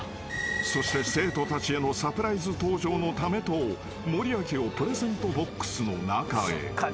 ［そして生徒たちへのサプライズ登場のためと森脇をプレゼントボックスの中へ］